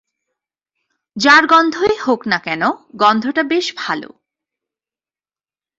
যার গন্ধই হোক না কেন, গন্ধটা বেশ ভালো।